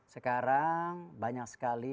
sekarang banyak sekali